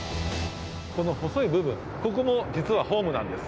この細い部分、ここも実はホームなんです。